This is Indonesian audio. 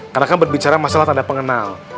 karena kan berbicara masalah tanda pengenal